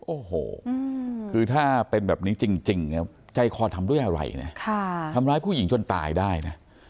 โอ้โหคือถ้าเป็นแบบนี้จริงเนี่ยใจคอทำด้วยอะไรนะทำร้ายผู้หญิงจนตายได้นะ